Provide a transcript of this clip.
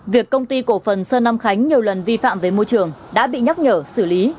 việc công ty cổ phần sơn nam khánh nhiều lần vi phạm về môi trường đã bị nhắc nhở xử lý